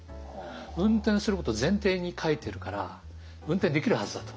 運転すること前提に描いてるから運転できるはずだと。